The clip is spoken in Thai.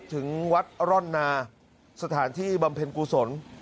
ถึงวัดร่อนนาสถานที่บำเพ็ญกุศล